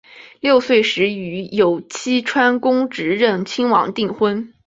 六岁时与有栖川宫炽仁亲王订婚。